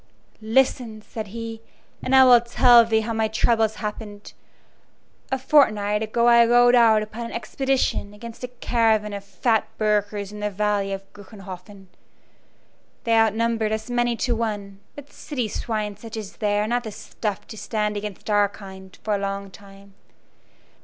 "Listen," said he, "and I will tell thee how my troubles happened. A fortnight ago I rode out upon an expedition against a caravan of fat burghers in the valley of Gruenhoffen. They outnumbered us many to one, but city swine such as they are not of the stuff to stand against our kind for a long time.